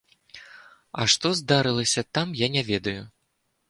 А што здарылася там, я не ведаю.